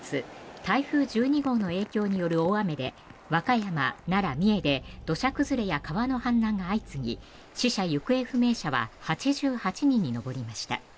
台風１２号の影響による大雨で和歌山、奈良、三重で土砂崩れや川の氾濫が相次ぎ死者・行方不明者は８８人に上りました。